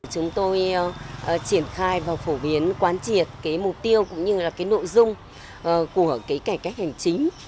chúng tôi triển khai và phổ biến quán triệt mục tiêu cũng như là nội dung của cải cách hành chính